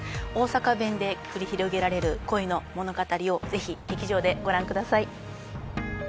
大阪弁で繰り広げられる恋の物語をぜひ劇場でご覧ください。